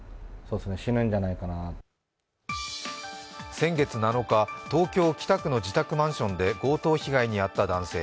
先月７日、東京・帰宅の自宅マンションで強盗被害に遭った男性。